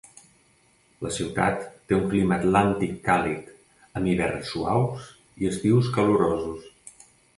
La ciutat té un clima atlàntic càlid, amb hiverns suaus i estius calorosos.